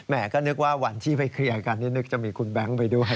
ก็นึกว่าวันที่ไปเคลียร์กันนี่นึกจะมีคุณแบงค์ไปด้วย